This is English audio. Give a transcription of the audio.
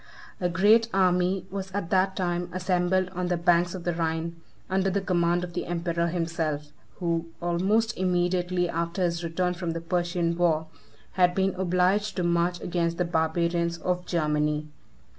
A great army was at that time assembled on the banks of the Rhine, under the command of the emperor himself, who, almost immediately after his return from the Persian war, had been obliged to march against the barbarians of Germany.